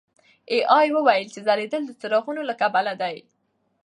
اې ای وویل چې ځلېدل د څراغونو له کبله دي.